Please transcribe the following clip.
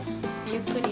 ゆっくり。